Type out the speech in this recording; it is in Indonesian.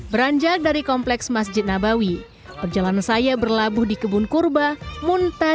beranjak dari kompleks masjid nabawi perjalanan saya berlabuh di kebun kurba munta